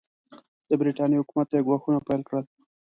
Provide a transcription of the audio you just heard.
د برټانیې حکومت ته یې ګواښونه پیل کړل.